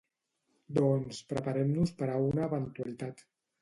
Doncs preparem-nos per a una eventualitat.